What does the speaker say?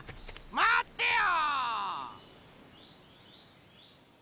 まってよ！